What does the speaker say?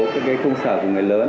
các cung sở của người lớn